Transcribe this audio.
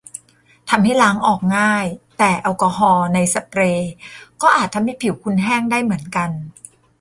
ทำให้ล้างออกง่าย แต่แอลกอฮอล์ในสเปรย์ก็อาจทำให้ผิวคุณแห้งได้เหมือนกัน